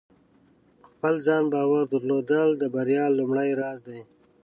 په خپل ځان باور درلودل د بریا لومړۍ راز دی.